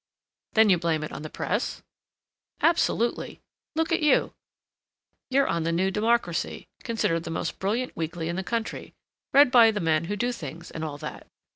"Then you blame it on the press?" "Absolutely. Look at you; you're on The New Democracy, considered the most brilliant weekly in the country, read by the men who do things and all that.